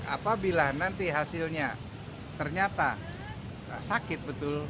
apabila nanti hasilnya ternyata sakit betul